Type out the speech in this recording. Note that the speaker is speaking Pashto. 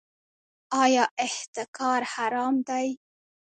آیا احتکار حرام دی؟